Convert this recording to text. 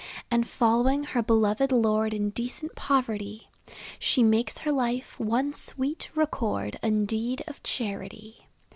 And following her beloved Lord, In decent poverty, She makes her life one sweet record And deed of charity.